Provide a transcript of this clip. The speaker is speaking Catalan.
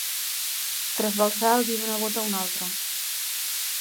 Trasbalsar el vi d'una bota a una altra.